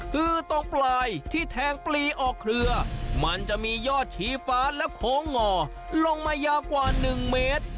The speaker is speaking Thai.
คือตรงปลายที่แทงปลีออกเครือมันจะมียอดชี้ฟ้าและโค้งงอลงมายาวกว่า๑เมตร